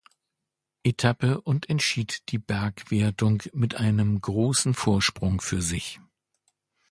Etappe und entschied die Bergwertung mit einem großen Vorsprung für sich.